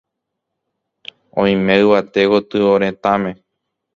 Oime yvate gotyo retãme.